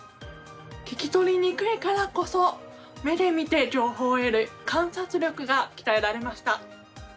聞き取りにくいからこそ目で見て情報を得る観察力が鍛えられました。